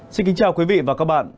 xin kính chào quý vị và các bạn